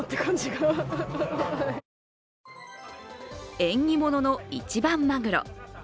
縁起物の一番まぐろ。